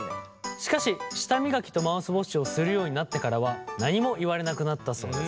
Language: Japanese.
しかし舌磨きとマウスウォッシュをするようになってからは何も言われなくなったそうです。